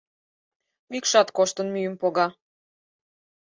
Мӱкшат коштын мӱйым пога;